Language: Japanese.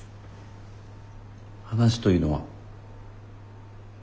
話というのは？